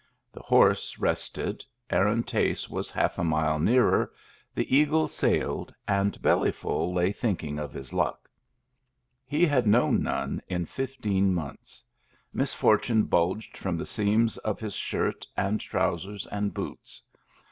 The horse rested, Aaron Tace was half a mile nearer, the eagle sailed, and Bellyful lay thinking of his luck. He had known none in fifteen months. Mis fortune bulged from the seams of his shirt and trousers and boots.